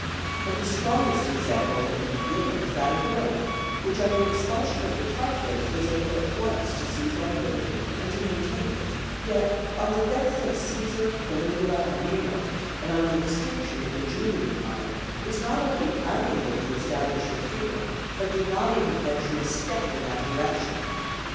But the strongest example that can be given is that of Rome, which on the expulsion of the Tarquins was able at once to seize on liberty and to maintain it; yet, on the deaths of Cæsar, Caligula, and Nero, and on the extinction of the Julian line, was not only unable to establish her freedom, but did not even venture a step in that direction.